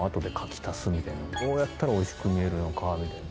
どうやったらおいしく見えるのかみたいな。